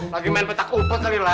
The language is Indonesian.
lagi main petak umpet lila